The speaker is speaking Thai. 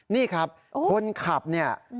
นี่ครับคนขับเนี่ย